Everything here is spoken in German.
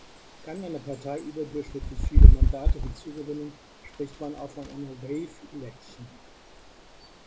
Kann eine Partei überdurchschnittlich viele Mandate hinzugewinnen, spricht man auch von einer "Wave election".